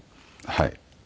はい。